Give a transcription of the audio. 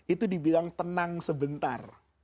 itu dibilang tenang sebentar